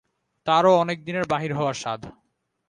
তারও অনেক দিনের বাহির হওয়ার সাধ।